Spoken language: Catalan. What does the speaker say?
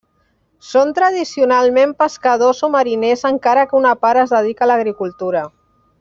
Són tradicionalment pescadors o mariners encara que una part es dedica a l'agricultura.